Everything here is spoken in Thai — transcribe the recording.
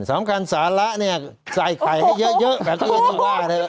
สำคัญสาระนี่ใส่ไข่ให้เยอะแบบนี้ก็ยังไหว่